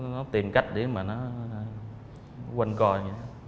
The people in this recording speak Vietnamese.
nó tìm cách để mà nó quên coi